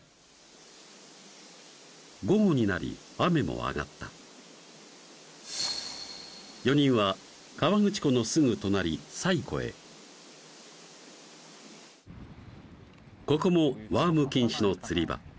午後になり雨も上がった４人は河口湖のすぐ隣西湖へここもワーム禁止の釣り場